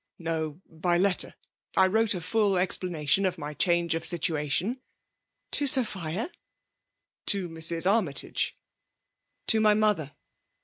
" No, by letter ! I wrote a full ezplana* tion of my change of situation " To Sophia?" To Mrs. Armytage.'' To my mother